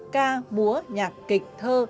ca búa nhạc kịch thơ